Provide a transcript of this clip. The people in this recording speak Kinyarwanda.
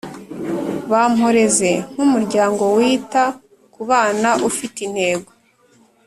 Bamporeze nk umuryango wita ku bana ufite intego